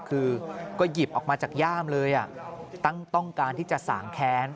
คือก็หยิบออกมาจากย่ามเลยตั้งต้องการที่จะสางแค้น